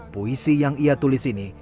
puisi yang ia tulis ini